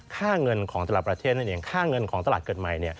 ค่าเงินของธลับประเทศค่าเงินของตลาดเกิดใหม่